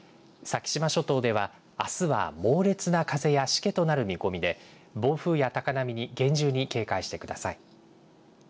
先島諸島では、あすは猛烈な風やしけとなる見込みで暴風や高波に厳重に警戒してください。